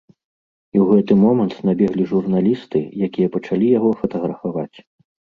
І ў гэты момант набеглі журналісты, якія пачалі яго фатаграфаваць.